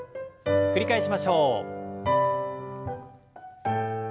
繰り返しましょう。